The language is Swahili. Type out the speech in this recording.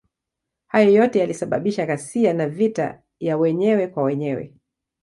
Hayo yote yalisababisha ghasia na vita ya wenyewe kwa wenyewe.